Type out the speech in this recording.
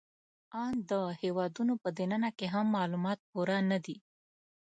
آن د هېوادونو په دننه کې هم معلومات پوره نهدي